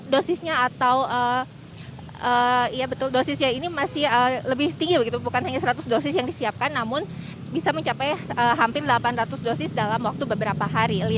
dosisnya atau ya betul dosisnya ini masih lebih tinggi begitu bukan hanya seratus dosis yang disiapkan namun bisa mencapai hampir delapan ratus dosis dalam waktu beberapa hari